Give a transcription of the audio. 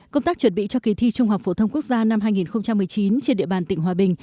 công tác chuẩn bị cho kỳ thi trung học phổ thông quốc gia năm hai nghìn một mươi chín trên địa bàn tỉnh hòa bình